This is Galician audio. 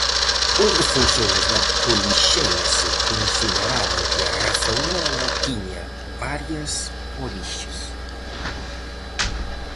Os defensores da polixénese consideraban que a raza humana tiña varias orixes.